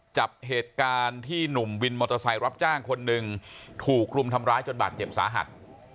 จับเหตุการณ์ที่หนุ่มวินมอเตอร์ไซค์รับจ้างคนหนึ่งถูกรุมทำร้ายจนบาดเจ็บสาหัส